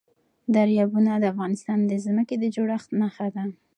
دریابونه د افغانستان د ځمکې د جوړښت نښه ده.